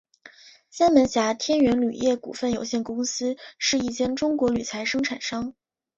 三门峡天元铝业股份有限公司是一间中国铝材生产商。